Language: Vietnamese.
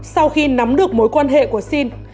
sau khi nắm được mối quan hệ của xin